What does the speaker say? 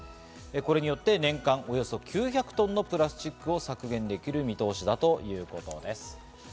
これによって年間およそ９００トンのプラスチックを削減できる見通しだということです。